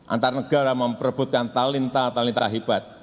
antar negara memperebutkan talenta talenta hebat